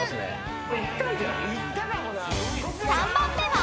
［３番目は？］